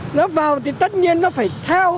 nó vào thì tất nhiên nó phải theo